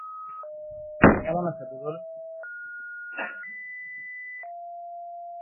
এটি ঢাকা বিশ্ববিদ্যালয়ের ক্যাম্পাসে অবস্থিত।